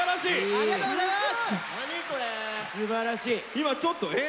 ありがとうございます。